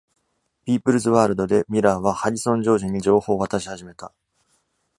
“People’s World” で、Miller は Harrison ジョージに情報を渡し始めた。